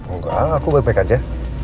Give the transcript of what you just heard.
enggak aku baik baik aja